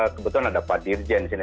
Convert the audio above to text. kebetulan ada pak dirjen disini